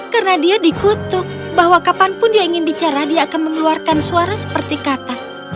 karena dia dikutuk bahwa kapanpun dia ingin bicara dia akan mengeluarkan suara seperti kata